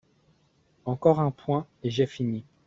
Encore un point, et j’ai fini.